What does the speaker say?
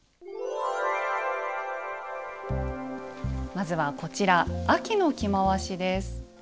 まずはこちら秋の着回しです。